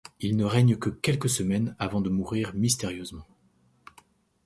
Il ne règne que quelques semaines avant de mourir mystérieusement.